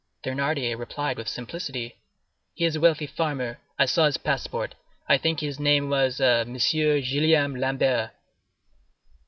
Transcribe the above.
Thénardier replied with simplicity: "He is a wealthy farmer. I saw his passport. I think his name was M. Guillaume Lambert."